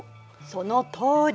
そのとおり。